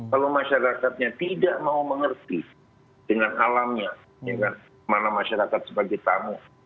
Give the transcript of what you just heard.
kalau masyarakatnya tidak mau mengerti dengan alamnya mana masyarakat sebagai tamu